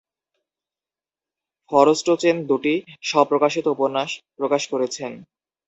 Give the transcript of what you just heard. Forstchen দুটি স্ব-প্রকাশিত উপন্যাস প্রকাশ করেছেন।